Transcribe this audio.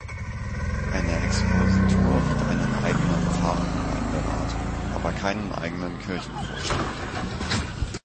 Eine Expositur hat einen eigenen Pfarrgemeinderat, aber keinen eigenen Kirchenvorstand.